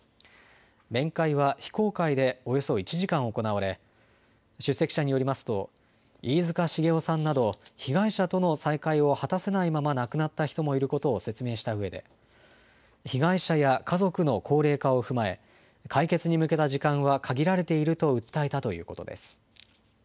面会は非公開でおよそ１時間行われ、出席者によりますと、飯塚繁雄さんなど、被害者との再会を果たせないまま亡くなった人もいることを説明したうえで、被害者や家族の高齢化を踏まえ、解決に向けた時間は限られていると訴えたということです。